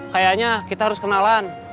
kayaknya kita harus kenalan